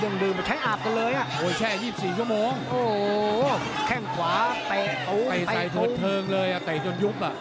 มืดเทิงเลยอ่ะเตะจนยุบอ่ะ